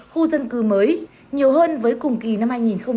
khu dân cư mới nhiều hơn với cùng kỳ năm hai nghìn hai mươi ba